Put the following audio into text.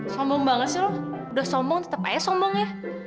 sombong banget sih loh udah sombong tetap aja sombong ya